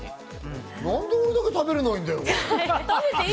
何で俺だけ食べられないんだよ。